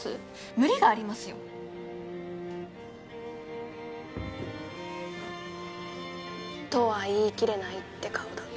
無理がありますよとは言い切れないって顔だ